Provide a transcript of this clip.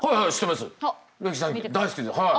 大好きですはい。